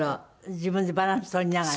自分でバランス取りながら？